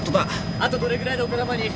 あとどれくらいで丘珠に？